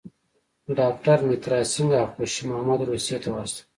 ډاکټر مترا سینګه او خوشي محمد روسیې ته واستول.